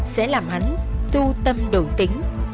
sẽ làm hắn tu tâm đủ tính